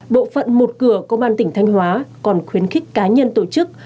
bộ phận một cửa công an tỉnh thanh hóa còn khuyến khích cá nhân tổ chức